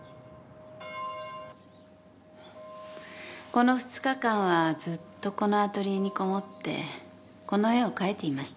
この２日間はずっとこのアトリエにこもってこの絵を描いていました。